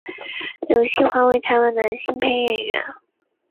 刘锡华为台湾男性配音员。